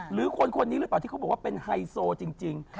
หรือคนคนนี้หรือเปล่าที่เขาบอกว่าเป็นไฮโซจริง